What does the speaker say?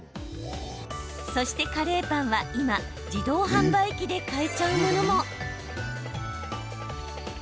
そしてカレーパンは、今自動販売機で買えちゃうものも。